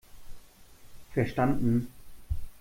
Verstanden!